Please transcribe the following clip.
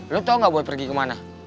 lo tau gak boy pergi kemana